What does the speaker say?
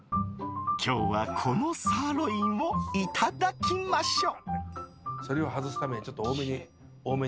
今日はこのサーロインをいただきましょう。